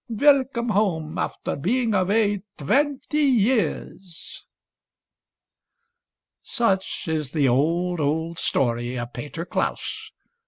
Welcome home after being away twenty years." Such is the old, old story of Peter Klaus.